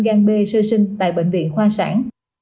gan b sơ sinh tại bệnh viện khoa sản